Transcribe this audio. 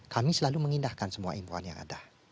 kami selalu mengindahkan semua impuan yang ada